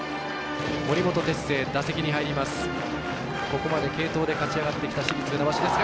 森本哲星、打席に入ります。